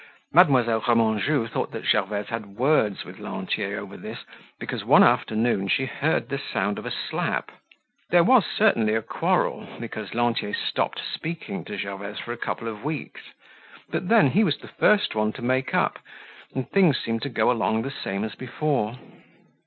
Mademoiselle Remanjou thought that Gervaise had words with Lantier over this because one afternoon she heard the sound of a slap. There was certainly a quarrel because Lantier stopped speaking to Gervaise for a couple of weeks, but then he was the first one to make up and things seemed to go along the same as before.